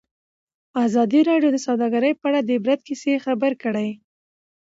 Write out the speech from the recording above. ازادي راډیو د سوداګري په اړه د عبرت کیسې خبر کړي.